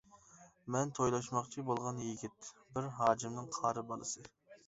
مەن تويلاشماقچى بولغان يىگىت، بىر ھاجىمنىڭ قارى بالىسى.